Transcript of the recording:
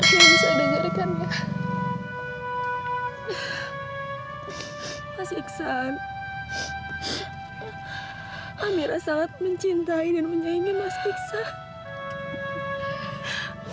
yang bisa dengarkan ya mas iksan amira sangat mencintai dan menyaingi mas iksan